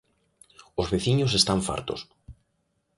Os veciños están fartos.